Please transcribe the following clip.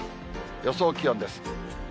予想気温です。